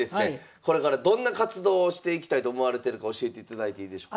これからどんな活動をしていきたいと思われてるか教えていただいていいでしょうか？